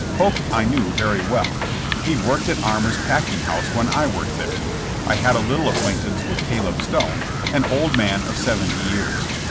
Polk I knew very well. He worked at Armour's packing house when I worked there. I had a little acquaintance with Caleb Stone, an old man of seventy years.